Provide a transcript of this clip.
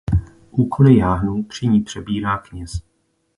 Úkoly jáhnů při ní přebírá kněz.